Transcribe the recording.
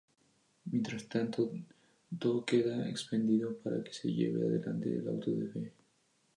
Mientras tanto, todo queda expedito para que se lleve adelante el auto de fe.